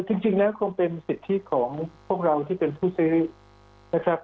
จริงแล้วคงเป็นสิทธิของพวกเราที่เป็นผู้ซื้อนะครับ